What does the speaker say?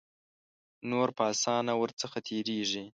نور په آسانه ور څخه تیریږي.